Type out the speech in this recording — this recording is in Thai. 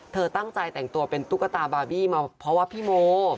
เธอตั้งใจแต่งตัวเป็นตุ๊กตาบาร์บี้มาเพราะว่าพี่โม